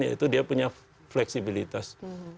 yaitu dia punya fleksibilitas